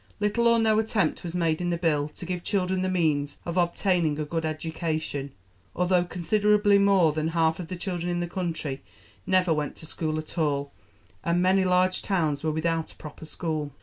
Little or no attempt was made in the Bill to give children the means of obtaining a good education, although considerably more than half the children in the country never went to school at all, and many large towns were without a proper school.